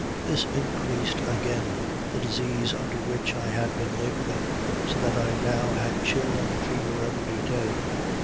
This increased again the disease under which I had been laboring, so that I now had chill and fever every day.